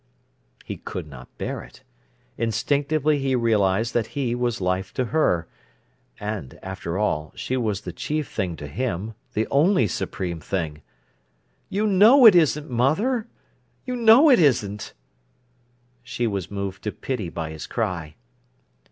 He could not bear it. Instinctively he realised that he was life to her. And, after all, she was the chief thing to him, the only supreme thing. "You know it isn't, mother, you know it isn't!" She was moved to pity by his cry.